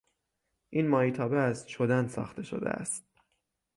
این ماهیتابه از چدن ساخته شده است.